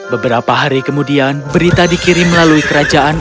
beberapa hari kemudian berita dikirim melalui kerajaan